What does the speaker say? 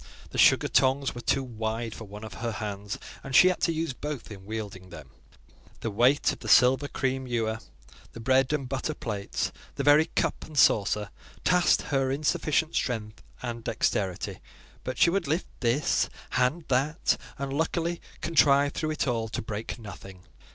The sugar tongs were too wide for one of her hands, and she had to use both in wielding them; the weight of the silver cream ewer, the bread and butter plates, the very cup and saucer, tasked her insufficient strength and dexterity; but she would lift this, hand that, and luckily contrived through it all to break nothing.